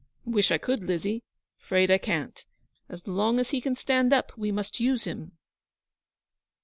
'Wish I could, Lizzie. 'Fraid I can't. As long as he can stand up we must use him.'